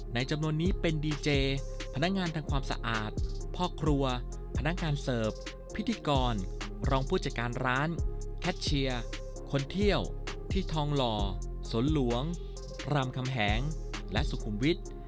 จำนวนนี้เป็นดีเจพนักงานทำความสะอาดพ่อครัวพนักงานเสิร์ฟพิธีกรรองผู้จัดการร้านแคทเชียร์คนเที่ยวที่ทองหล่อสนหลวงรามคำแหงและสุขุมวิทย์